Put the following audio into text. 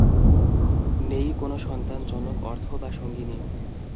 নেই কোন সন্তান, জনক, অর্থ বা সঙ্গিনী।